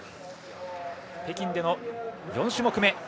北京での４種目め。